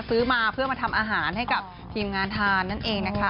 ซื้อมาเพื่อมาทำอาหารให้กับทีมงานทานนั่นเองนะคะ